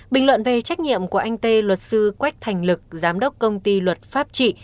bình luận về trách nhiệm của anh tê luật sư quách thành lực giám đốc công ty luật pháp trị